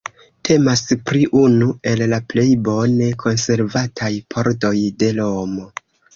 Temas pri unu el la plej bone konservataj pordoj de Romo.